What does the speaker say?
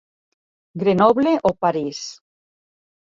Grenoble o a París.